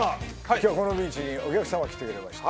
今日はこのビーチにお客様来てくれました